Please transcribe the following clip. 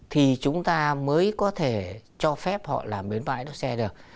thì chúng ta mới có thể cho phép họ làm bến bãi đỗ xe được